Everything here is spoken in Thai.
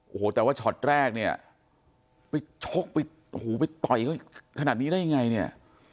โอ้โหแต่ว่าช็อตแรกเนี่ยไปชกไปโอ้โหไปต่อยเขาขนาดนี้ได้ยังไงเนี่ย